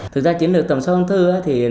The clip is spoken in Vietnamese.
thực ra chiến lược tầm soát ung thư